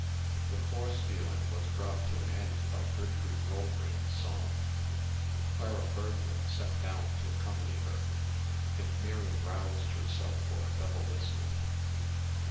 The Vorspielen was brought to an end by Gertrude Goldring's song. Clara Bergmann sat down to accompany her, and Miriam roused herself for a double listening.